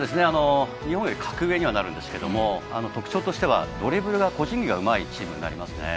日本より格上にはなるんですけど特徴としてはドリブルや個人技がうまいチームになります。